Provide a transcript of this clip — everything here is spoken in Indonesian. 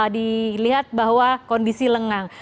dilihat bahwa kondisi lengah